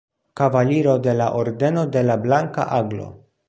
Kavaliro de la Ordeno de la Blanka Aglo.